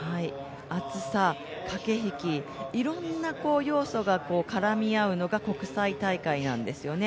暑さ、駆け引き、いろんな要素が絡み合うのが、国際大会なんですよね。